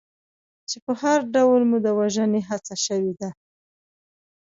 چې په هر ډول مو د وژنې هڅه شوې ده.